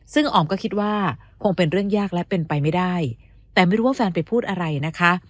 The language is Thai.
ซึ่งออมก็คิดว่าคงเป็นเรื่องยากและเป็นไปไม่ได้แต่ไม่รู้ว่าแฟนไปพูดอะไรนะคะ